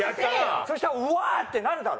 そしたら「うわー！」ってなるだろ？